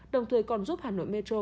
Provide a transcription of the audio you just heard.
đồng thời còn giúp hà nội metro